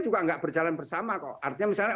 juga enggak berjalan bersama kok artinya misalnya